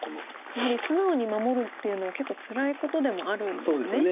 やはり素直に守るっていうのは結構つらいことでもあるんですね。